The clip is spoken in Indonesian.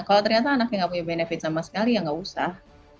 kalau ternyata anaknya nggak punya benefit sama sekali ya nggak usah